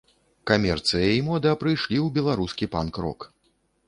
Камерцыя і мода прыйшлі ў беларускі панк-рок.